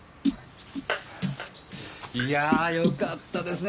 いやぁよかったですね